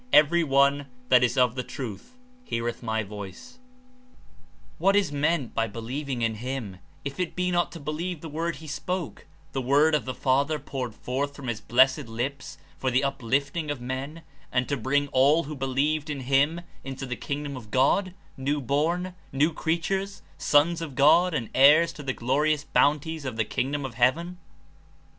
Every one that is of the truth heareth my voice.'' What is meant by believing in him if it be not to believe the Word he spoke, the Word of the Father poured forth from his blessed lips for the uplifting of men and to bring all who believed in him into the Kingdom of God, new born, new crea In^'nim^ tures, sons of God and heirs to the glorious bounties of the Kingdom of Heaven?